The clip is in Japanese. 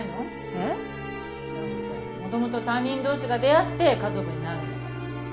えっ？だって元々他人同士が出会って家族になるんだから。